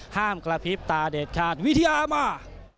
กระพริบตาเด็ดขาดวิทยามา